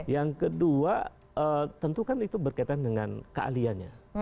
yang kedua tentu kan itu berkaitan dengan keahliannya